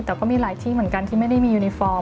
แต่ก็มีหลายที่เหมือนกันที่ไม่ได้มียูนิฟอร์ม